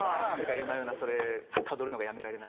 夜な夜なそれたどるのがやめられない。